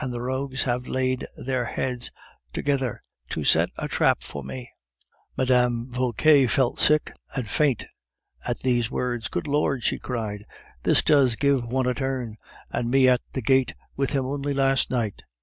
The rogues have laid their heads together to set a trap for me." Mme. Vauquer felt sick and faint at these words. "Good Lord!" she cried, "this does give one a turn; and me at the Gaite with him only last night!"